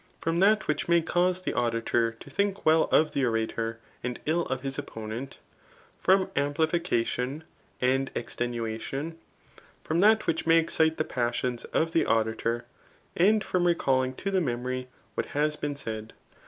from that which may cause the auditor to 290 THB.AKt.tr lOOKUU think well of the orator, and ill of bis opponent ^ frott aQq>lification, and extenuation ; Arom that which may excite the passions of the auditor ; and from recalling to the memory [what has been said.